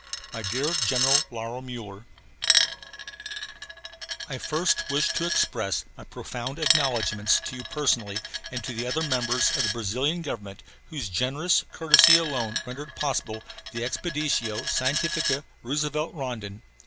MY DEAR GENERAL LAURO MULLER: I wish first to express my profound acknowledgments to you personally and to the other members of the Brazilian Government whose generous courtesy alone rendered possible the Expedicao Scientifica Roosevelt Rondon.